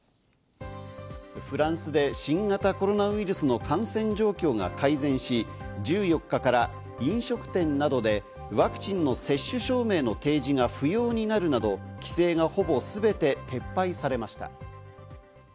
フランスで新型コロナウイルスの感染状況が改善し、１４日から飲食店などでワクチンの接種証明の提示が不要になるなど規制がほぼすべて撤廃されました。